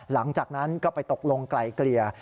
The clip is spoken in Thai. หลังจากนั้นก็ไปตกลงไกลเกลี่ย